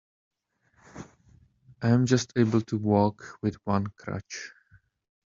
I am just able to walk with one crutch.